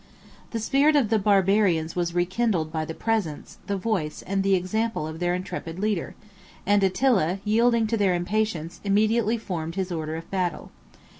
The spirit of the Barbarians was rekindled by the presence, the voice, and the example of their intrepid leader; and Attila, yielding to their impatience, immediately formed his order of battle.